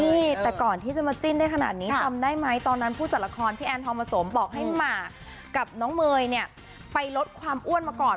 นี่แต่ก่อนที่จะมาจิ้นได้ขนาดนี้จำได้ไหมตอนนั้นผู้จัดละครพี่แอนทองผสมบอกให้หมากกับน้องเมย์เนี่ยไปลดความอ้วนมาก่อน